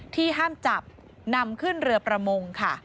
ที่ห้ามจับนำขึ้นเรือประมง